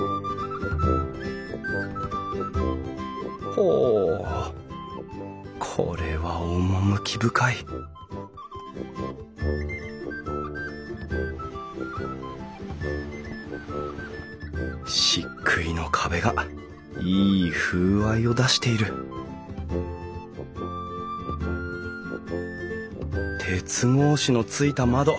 ほうこれは趣深い漆喰の壁がいい風合いを出している鉄格子のついた窓。